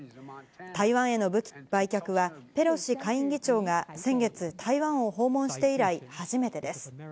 台湾への武器売却は、ペロシ下院議長が先月、台湾を訪問して以来初めてです。